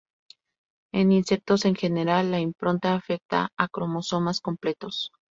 En insectos en general, la impronta afecta a cromosomas completos.